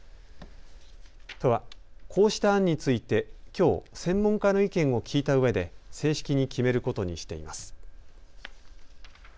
都はこうした案について、きょう、専門家の意見を聞いたうえで正式に決めることにしています。